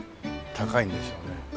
高いんでしょうね。